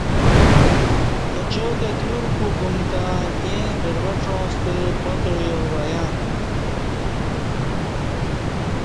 اچا دی اتیوروک گوم تہ ایں بروڄاں ستہ پاتع یال وعیاں۔